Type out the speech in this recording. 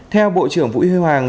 theo bộ trưởng vũ hy hoàng